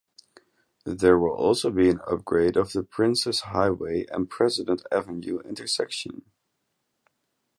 There will also be an upgrade of the Princes Highway and President Avenue intersection.